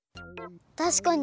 たしかに！